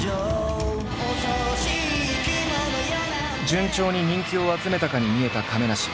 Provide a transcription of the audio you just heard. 順調に人気を集めたかに見えた亀梨。